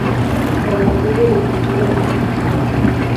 Ganadería y agricultura de subsistencia.